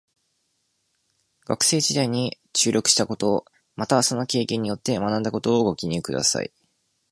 学生時代に注力したこと、またその経験によって学んだことをご記入ください。